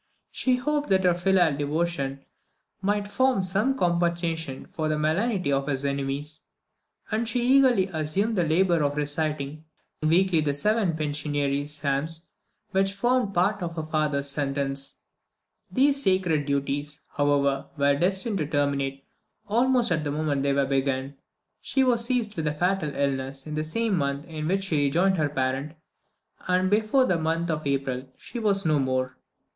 She hoped that her filial devotion might form some compensation for the malignity of his enemies, and she eagerly assumed the labour of reciting weekly the seven penitentiary psalms which formed part of her father's sentence. These sacred duties, however, were destined to terminate almost at the moment they were begun. She was seized with a fatal illness in the same month in which she rejoined her parent, and before the month of April she was no more.